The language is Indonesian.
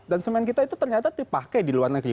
dan semen kita itu ternyata dipakai di luar negeri